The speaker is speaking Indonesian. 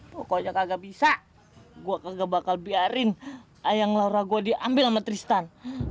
pokoknya kagak bisa gue kagak bakal biarin ayang laura gue diambil sama tristan